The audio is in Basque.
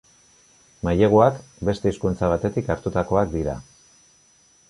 Maileguak beste hizkuntza batetik hartutakoak dira.